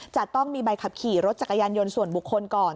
จะต้องมีใบขับขี่รถจักรยานยนต์ส่วนบุคคลก่อน